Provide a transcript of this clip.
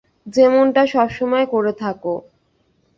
যেমনটা সবসময় করে থাকো।